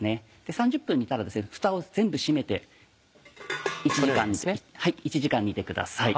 ３０分煮たらふたを全部閉めて１時間煮てください。